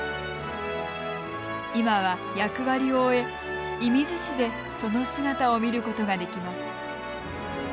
今は役割を終え射水市でその姿を見ることができます。